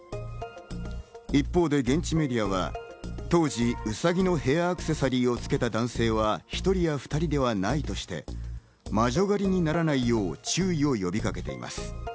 一方、現地メディアは当時、ウサギのヘアアクセサリーをつけた男性は１人や２人ではないとして、魔女狩りにならないよう注意を呼びかけています。